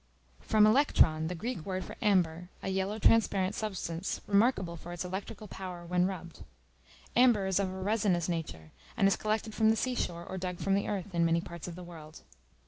From electron, the Greek word for amber, a yellow transparent substance, remarkable for its electrical power when rubbed: amber is of a resinous nature, and is collected from the sea shore, or dug from the earth, in many parts of the world.